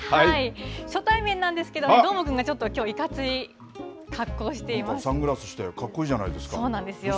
初対面なんですけど、どーもくんがちょっと、きょう、いかつサングラスして、かっこいいそうなんですよ。